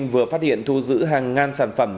vừa phát hiện thu giữ hàng ngàn sản phẩm